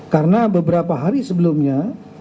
karena beberapa hari sebelumnya